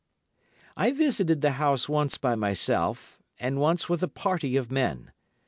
I visited the house once by myself, and once with a party of men.